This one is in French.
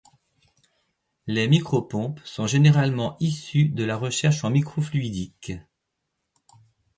Les micropompes sont généralement issues de la recherche en microfluidique.